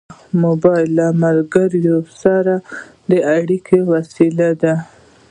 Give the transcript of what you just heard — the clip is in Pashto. موبایل له ملګرو سره د اړیکې وسیله ده.